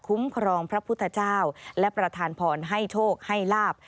ครองพระพุทธเจ้าและประธานพรให้โชคให้ลาบ